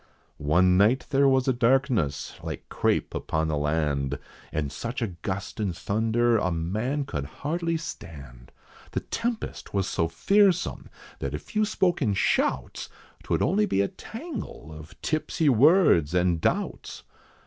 One night there was a darkness, like crape upon the land, And such a gust and thunder, a man could hardly stand. The tempest was so fearsome, that if you spoke in shouts, 'Twould only be a tangle of tipsy words and doubts.